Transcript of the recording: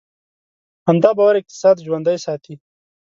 همدا باور اقتصاد ژوندی ساتي.